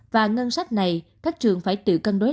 và ngân sách này các trường phải tự cân đối